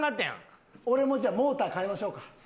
俺もじゃあモーター替えましょうか？